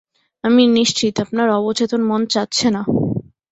আমি নিশ্চিত, আপনার অবচেতন মন চাচ্ছে না।